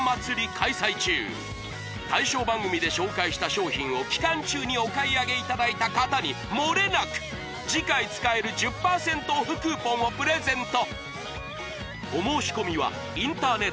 開催中対象番組で紹介した商品を期間中にお買い上げいただいた方にもれなく次回使える１０％ＯＦＦクーポンをプレゼント！